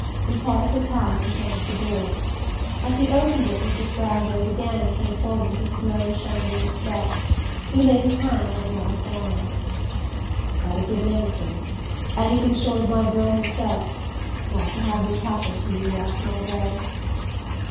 He caught up his hat and turned to the door. As he opened it Mr. Spragg rose again and came forward with his slow shambling step. He laid his hand on Ralph's arm. "I'd 'a' given anything anything short of my girl herself not to have this happen to you, Ralph Marvell."